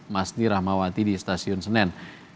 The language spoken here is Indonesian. mas nirahmawati di stasiun senen